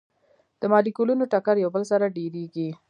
د مالیکولونو ټکر یو بل سره ډیریږي.